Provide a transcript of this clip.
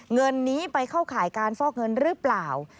เงินนี้ไปเข้าข่ายการฟอกเงินหรือเปล่า